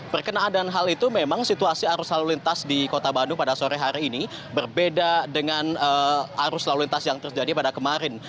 perkenaan dan hal itu memang situasi arus lalu lintas di kota bandung pada sore hari ini berbeda dengan arus lalu lintas yang terjadi pada kemarin